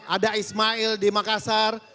ada ismail di makassar